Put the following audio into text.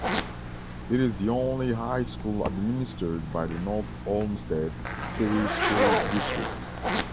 It is the only high school administered by the North Olmsted City School District.